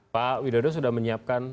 pak widodo sudah menyiapkan